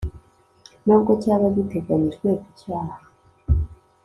n ubwo cyaba giteganyijwe ku cyaha